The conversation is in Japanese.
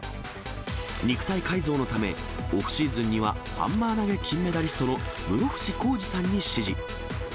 肉体改造のため、オフシーズンには、ハンマー投げ金メダリストの室伏広治さんに師事。